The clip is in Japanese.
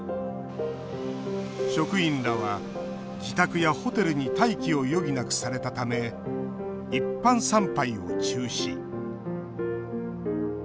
職員らは自宅やホテルに待機を余儀なくされたため一般参拝を中止。